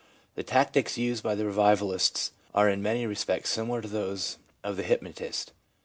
The tactics used by the revivalists are in many respects similar to those of the hypnotist.